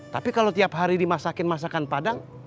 tapi kalau tiap hari dimasakin masakan padang